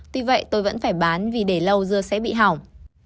tuy vậy tôi vẫn phải bán vì để lâu dưa sẽ bị hỏng